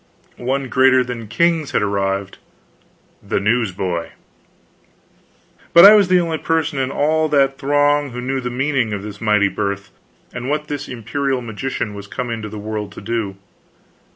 One greater than kings had arrived the newsboy. But I was the only person in all that throng who knew the meaning of this mighty birth, and what this imperial magician was come into the world to do.